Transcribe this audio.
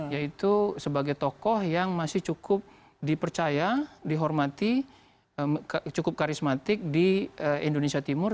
yaitu sebagai tokoh yang masih cukup dipercaya dihormati cukup karismatik di indonesia timur